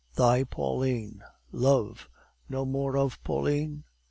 thy Pauline love no more of Pauline?